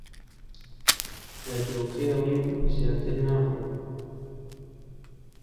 لە دۆکڵیو زیاتر ناخۆم!